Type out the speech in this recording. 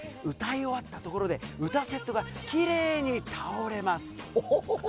歌い終わったところで、歌セットがきれいに倒れます。